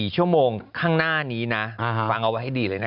๔ชั่วโมงข้างหน้านี้นะฟังเอาไว้ให้ดีเลยนะ